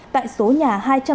tại số nhà hai trăm tám mươi